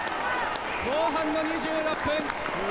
後半の２６分！